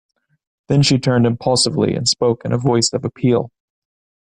Then she turned impulsively and spoke in a voice of appeal.